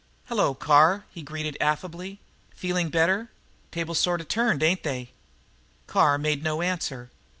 "Hello, Carr," he greeted affably. "Feeling better? Tables sort of turned, ain't they?" Carr made no answer.